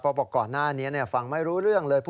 บอกก่อนหน้านี้ฟังไม่รู้เรื่องเลย